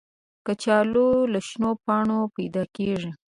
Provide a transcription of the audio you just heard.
کچالو له شنو پاڼو نه پیدا کېږي